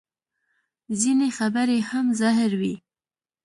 ځینې خبرې هم زهر وي